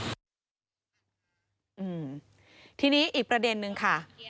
อืมทีนี้อีกประเด็นนึงค่ะ